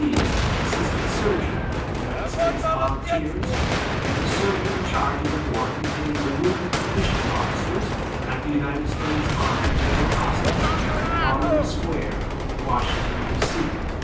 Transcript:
D., Assistant Surgeon, United States Volunteers and the surgeon in charge of the ward containing the wounded commissioned officers at the United States Army General Hospital, Armory Square, Washington, D. C.